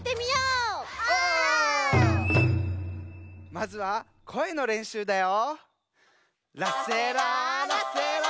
まずはこえのれんしゅうだよ。